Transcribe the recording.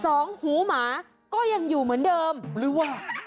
สองหูหมาก็ยังอยู่เหมือนเดิมหรือว่า